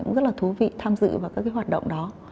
cũng rất là thú vị tham dự vào các cái hoạt động đó